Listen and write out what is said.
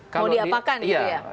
mau diapakan gitu ya